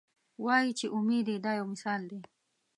وایي چې اومې دي دا یو مثال دی.